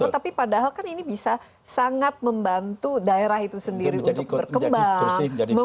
tapi padahal kan ini bisa sangat membantu daerah itu sendiri untuk berkembang